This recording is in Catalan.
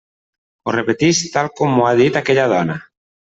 Ho repetisc tal com m'ho ha dit aquella dona.